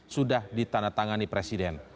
sudah ditandatangani presiden